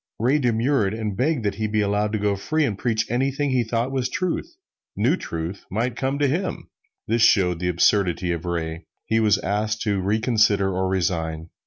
Ray demurred, and begged that he be allowed to go free and preach anything he thought was truth new truth might come to him! This shows the absurdity of Ray. He was asked to reconsider or resign.